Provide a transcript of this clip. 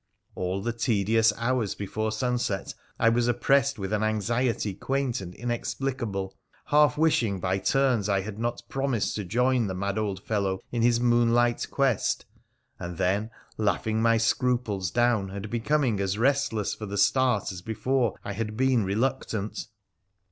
All the tedious hours before sunset I was oppressed with an anxiety quaint and inex plicable ; half wishing by turns I had not promised to join the mad old fellow in his moonlight quest, and then laughing my scruples down and becoming as restless for the start as before I had been reluctant.